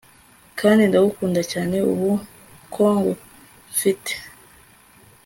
kandi ndagukunda cyane ubu ko ngufite